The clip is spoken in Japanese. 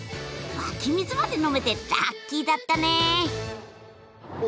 湧き水まで飲めてラッキーだったね！